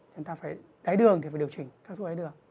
chúng ta phải đáy đường thì phải điều chỉnh các thuốc đáy đường